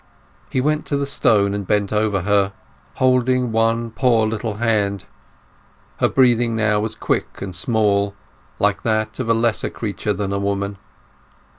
He went to the stone and bent over her, holding one poor little hand; her breathing now was quick and small, like that of a lesser creature than a woman.